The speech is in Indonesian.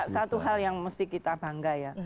satu hal yang mesti kita bangga ya